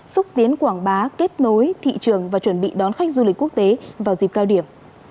xúc tiến quảng bá kết nối thị trường và chuẩn bị đón khách du lịch quốc tế vào dịp cao điểm